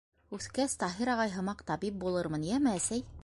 — Үҫкәс, Таһир ағай һымаҡ табип булырмын, йәме, әсәй!